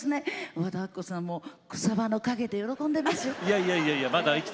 和田アキ子さんも草葉の陰で喜んでおります。